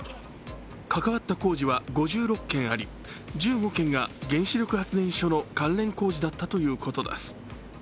関わった工事は５６件あり１５件が原子力発電所の関連工事だったということです。